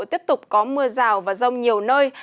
tiếp tục có mưa rào và rông nhiều nơi